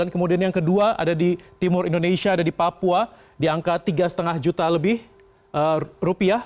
kemudian yang kedua ada di timur indonesia ada di papua di angka tiga lima juta lebih rupiah